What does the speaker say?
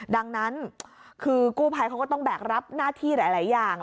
ดังนั้นคือกู้ภัยเขาก็ต้องแบกรับหน้าที่หลายอย่าง